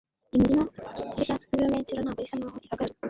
imirima ireshya n'ibirometero, ntabwo isa nkaho ihagarara